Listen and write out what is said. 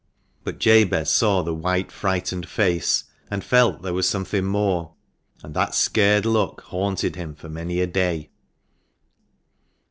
But Jabez saw the white, frightened face, and felt there was something more ; and that scared look haunted him for many a day.